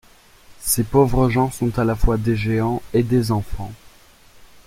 Ces pauvres gens sont à la fois des géants et des enfants.